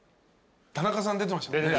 田中さん出てましたもんね。